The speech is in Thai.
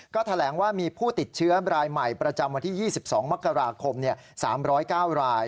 ก็แถลงว่ามีผู้ติดเชื้อรายใหม่ประจำวันที่๒๒มกราคม๓๐๙ราย